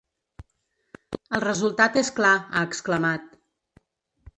El resultat és clar, ha exclamat.